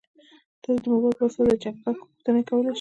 تاسو د موبایل په واسطه د چک بک غوښتنه کولی شئ.